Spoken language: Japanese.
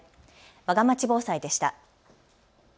わがまち防災でした。